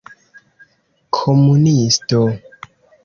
komunisto